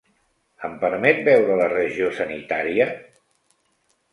Em permet veure la regió sanitària?